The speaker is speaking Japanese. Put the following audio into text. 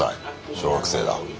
小学生だ。